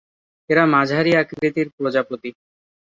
এরা মাঝারি আকৃতির প্রজাপতি।